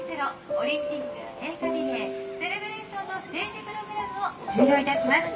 オリンピック聖火リレーセレブレーションのステージプログラムを終了いたします。